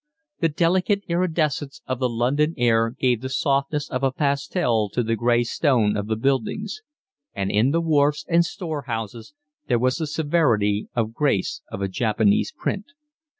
The delicate iridescence of the London air gave the softness of a pastel to the gray stone of the buildings; and in the wharfs and storehouses there was the severity of grace of a Japanese print.